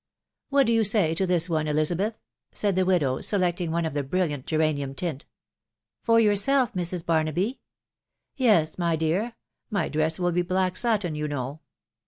" What do you say to this one, Elizabeth ?" said the widow, selecting one of a brilliant geranium tint. " For yourself, Mrs. Barnaby ?"— ts Yes, my dear. •.. My dress will be black satin, you know."